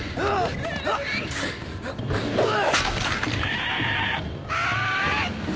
うわ。